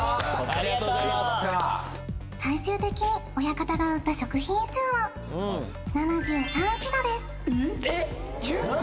ありがとう最終的に親方が売った食品数は７３品ですえっ